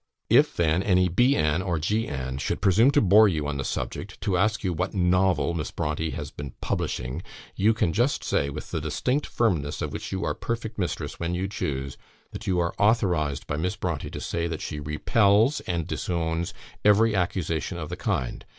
If then any B an, or G an, should presume to bore you on the subject, to ask you what 'novel' Miss Brontë has been 'publishing,' you can just say, with the distinct firmness of which you are perfect mistress when you choose, that you are authorised by Miss Brontë to say, that she repels and disowns every accusation of the kind.